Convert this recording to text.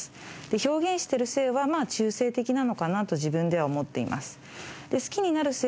表現している性はまあ中性的なのかなと自分では思っています。